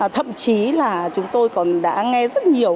thậm chí là chúng tôi còn đã nghe rất nhiều